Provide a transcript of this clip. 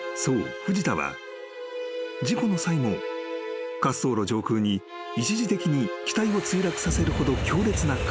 藤田は事故の際も滑走路上空に一時的に機体を墜落させるほど強烈な風］